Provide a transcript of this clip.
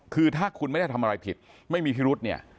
คือถ้าคุณไม่ได้ทำอะไรผิดไม่มีพิรุธเนี่ย